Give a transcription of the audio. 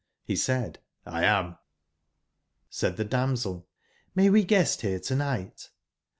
jj^Re said:''! am"j^Said the damsel: '')Vlay we guest here to/night?